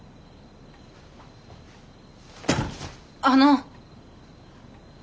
あの。